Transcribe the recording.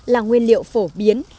là nguyên liệu phổ biến